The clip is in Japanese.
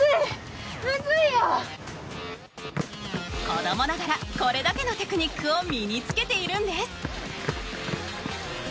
子どもながらこれだけのテクニックを身に付けているんです。